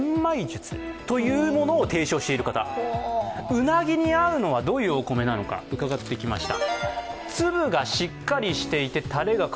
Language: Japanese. うなぎに合うのはどういうお米なのかうかがってきました。